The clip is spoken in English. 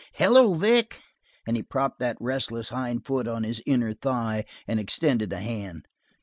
Hello, Vic!" and he propped that restless hind foot on his inner thigh and extended a hand.